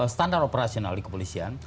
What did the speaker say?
standar operasional di kepolisian